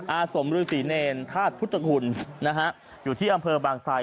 อาสมรือศรีเนรธาตุพุทธคุณอยู่ที่อำเภอบางไทย